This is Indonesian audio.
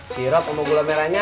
sirap sama gula merahnya